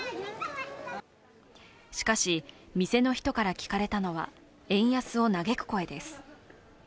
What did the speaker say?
しかし、店の人からは聞かれたのは円安を嘆く声です。